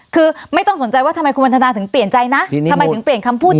คือไม่ต้องสนใจว่าทำไมคุณวันทนาถึงเปลี่ยนใจนะทำไมถึงเปลี่ยนคำพูด